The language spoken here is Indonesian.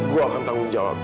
gue akan tanggung jawab